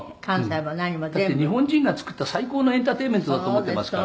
「だって日本人が作った最高のエンターテインメントだと思っていますから」